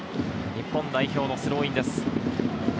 日本代表のスローインです。